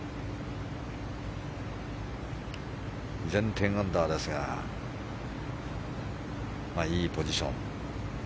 依然、１０アンダーですがいいポジション。